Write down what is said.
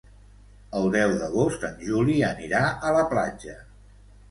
El deu d'agost en Juli anirà a la platja.